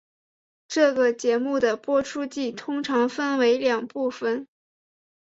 这个节目的播出季通常分为两部份。